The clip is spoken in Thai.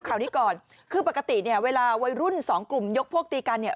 ข่าวนี้ก่อนคือปกติเนี่ยเวลาวัยรุ่นสองกลุ่มยกพวกตีกันเนี่ย